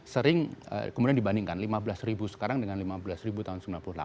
sering kemudian dibandingkan lima belas ribu sekarang dengan lima belas ribu tahun sembilan puluh delapan